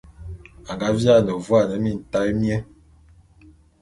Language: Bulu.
A nga viane vuane mintaé mié.